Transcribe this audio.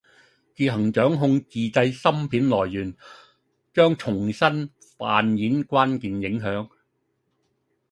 自行掌控自制芯片來源，將重新扮演關鍵影響。